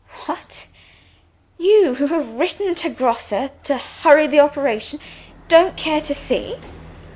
"What! you, who have written to Grosse to hurry the operation, don't care to see?"